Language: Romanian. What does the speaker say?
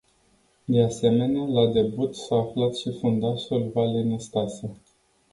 De asemenea, la debut s-a aflat și fundașul Vali Năstase.